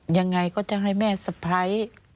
ยังไงก็จะให้แม่สะพ้าย